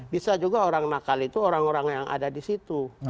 bisa juga orang nakal itu orang orang yang ada di situ